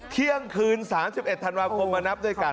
เที่ยงคืน๓๑ธันวาคมมานับด้วยกัน